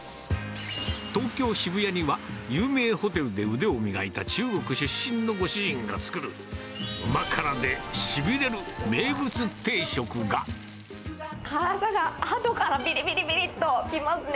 東京・渋谷には、有名ホテルで腕を磨いた中国出身のご主人が作る、辛さが後からびりびりびりっときますね。